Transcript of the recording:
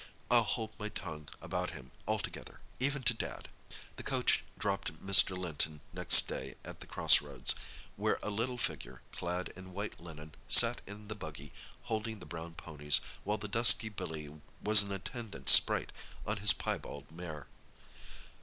I'll hold my tongue about him altogether—even to Dad." The coach dropped Mr. Linton next day at the Cross Roads, where a little figure, clad in white linen, sat in the buggy, holding the brown ponies, while the dusky Billy was an attendant sprite on his piebald mare.